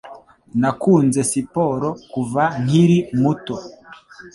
Nakunze siporo kuva nkiri muto.